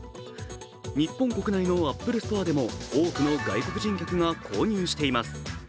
日本国内のアップルストアでも多くの外国人客が購入しています。